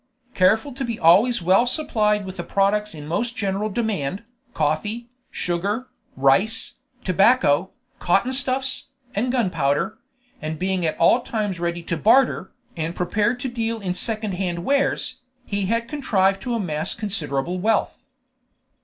Careful to be always well supplied with the products in most general demand coffee, sugar, rice, tobacco, cotton stuffs, and gunpowder and being at all times ready to barter, and prepared to deal in secondhand wares, he had contrived to amass considerable wealth.